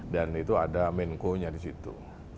dan itu ada main goalnya di situ